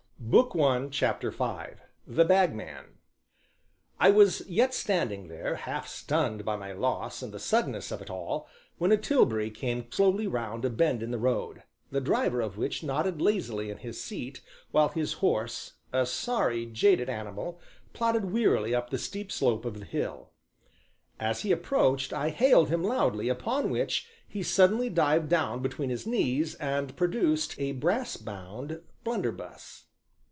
CHAPTER V THE BAGMAN I was yet standing there, half stunned by my loss and the suddenness of it all, when a tilbury came slowly round a bend in the road, the driver of which nodded lazily in his seat while his horse, a sorry, jaded animal, plodded wearily up the steep slope of the hill. As he approached I hailed him loudly, upon which he suddenly dived down between his knees and produced a brass bound blunderbuss.